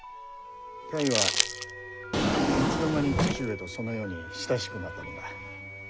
泰はいつの間に父上とそのように親しくなったのだ？